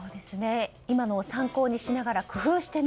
今のを参考にしながら工夫してね。